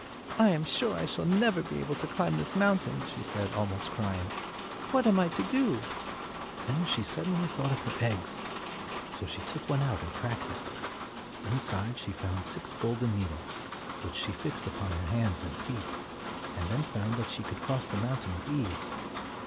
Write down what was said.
" I am sure I shall never be able to climb this mountain," she said, almost crying. "What am I to do?" 224 Then she suddenly thought of her eggs, so she took one out and cracked it. Inside she found six golden needles, which she fixed upon her hands and feet, and then found that she could cross the mountain with ease.